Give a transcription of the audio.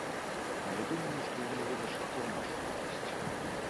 Але думаю, што яны вырашацца ў нашу карысць.